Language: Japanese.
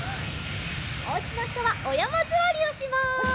おうちのひとはおやまずわりをします。